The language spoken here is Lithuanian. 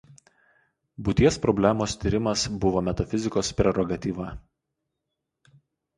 Būties problemos tyrimas buvo metafizikos prerogatyva.